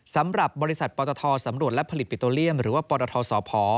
สำหรับบริษัทปตทสำรวจและผลิตปิโตเลียมหรือว่าปรทสพ